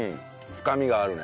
深みがあるね。